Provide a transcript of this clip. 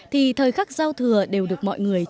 thì thời khắc giao thừa đều được mọi người chờ